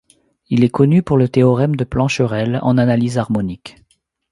Il est connu pour le théorème de Plancherel en analyse harmonique.